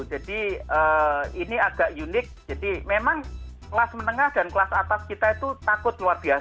jadi ini agak unik jadi memang kelas menengah dan kelas atas kita itu takut luar biasa